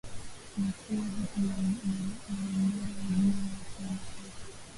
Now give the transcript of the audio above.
ni kuwa hapa Marondera, ujio wake unatosha